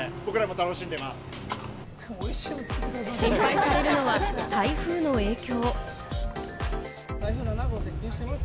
心配されるのは台風の影響。